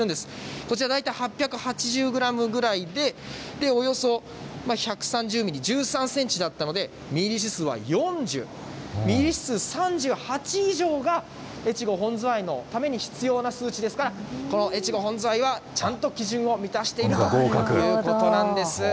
こちら大体８８０グラムぐらいでおよそ１３０ミリ、１３センチだったので、身入り指数は４０、身入り指数３８以上が越後本ズワイのために必要な数値ですから、この越後本ズワイはちゃんと基準を厳しい。